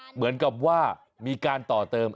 เหมือนกับว่ามีการต่อเติม